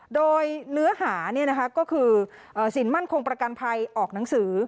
โดยเนื้อหาก็คือสินมั่นคงประกันภัยออกหนังสือ